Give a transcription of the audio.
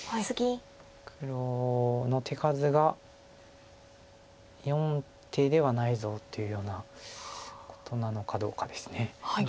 黒の手数が４手ではないぞというようなことなのかどうかです。